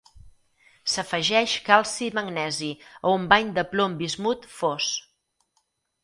S'afegeix calci i magnesi a un bany de plom-bismut fos.